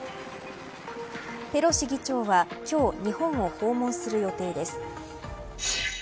ペロシ議長は、今日日本を訪問する予定です。